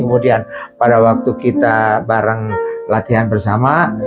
kemudian pada waktu kita bareng latihan bersama